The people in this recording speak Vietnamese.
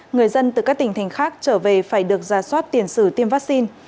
người dân từ các tỉnh thành khác trở về phải được ra soát tiền sử tiêm vaccine